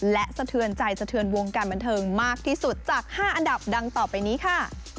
และสะเทือนใจสะเทือนวงการบันเทิงมากที่สุดจาก๕อันดับดังต่อไปนี้ค่ะ